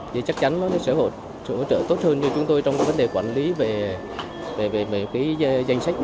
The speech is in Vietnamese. thì chắc chắn nó sẽ hỗ trợ tốt hơn cho chúng tôi trong vấn đề quản lý về danh sách